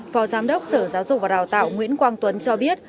phó giám đốc sở giáo dục và đào tạo nguyễn quang tuấn cho biết